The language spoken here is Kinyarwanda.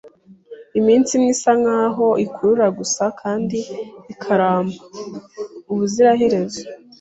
Iminsi imwe isa nkaho ikurura gusa kandi ikaramba ubuziraherezo.